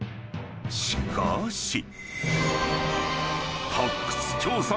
［しかし］